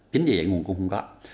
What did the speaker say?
chính vì vậy nguồn cung không có